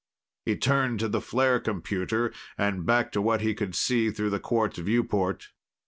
He turned to the flare computer and back to what he could see through the quartz viewport.